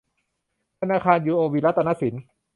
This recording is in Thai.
ธนาคารยูโอบีรัตนสิน